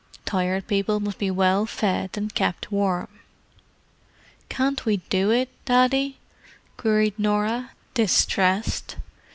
Tired People must be well fed and kept warm." "Can't we do it, Daddy?" queried Norah, distressed.